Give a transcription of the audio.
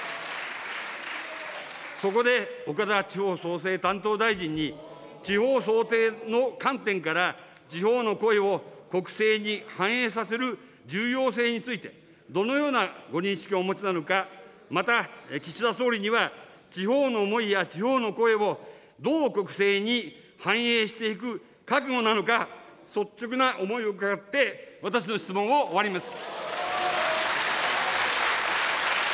そこで岡田地方創生担当大臣に、地方創生の観点から、地方の声を国政に反映させる重要性について、どのようなご認識をお持ちなのか、また、岸田総理には、地方の思いや地方の声を、どう国政に反映していく覚悟なのか、率直な思いを伺って、私の質問を終わります。